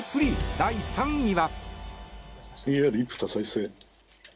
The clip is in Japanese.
第３位は。